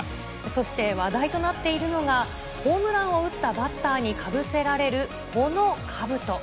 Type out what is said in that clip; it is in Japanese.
そして、話題となっているのが、ホームランを打ったバッターにかぶせられるこのかぶと。